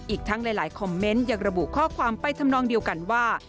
อีกทั้งหลายคอมเมนต์ยังระบุข้อความไปทำนองเดียวกันว่า